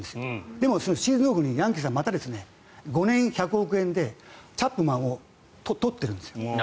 でもシーズンオフにヤンキースはまた５年１００億円でチャップマンを取ってるんです。